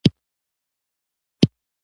هګۍ د چټکو خوړو برخه ده.